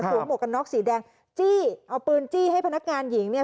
หมวกกันน็อกสีแดงจี้เอาปืนจี้ให้พนักงานหญิงเนี่ย